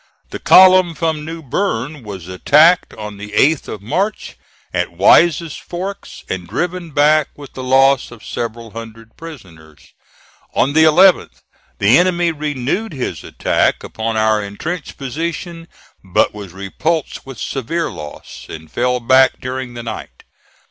The column from New Bern was attacked on the 8th of March, at Wise's Forks, and driven back with the loss of several hundred prisoners. On the 11th the enemy renewed his attack upon our intrenched position, but was repulsed with severe loss, and fell back during the night.